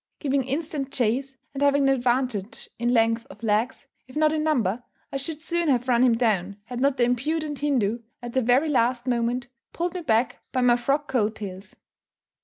Giving instant chase, and having the advantage in length of legs, if not in number, I should soon have run him down, had not the impudent Hindoo, at the very last moment, pulled me back by my frock coat tails.